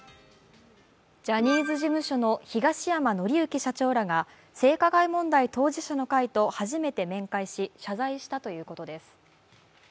ジャニーズ事務所の東山紀之社長らが性加害問題当事者の会と初めて面会し、謝罪したということです。